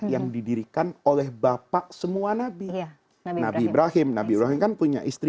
jadi disitu namanya tahun zakat